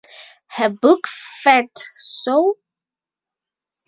Her book Fat! So?